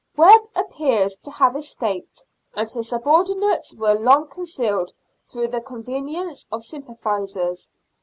Webb appears to have escaped, and his subordinates were long concealed through the connivance of sympathisers.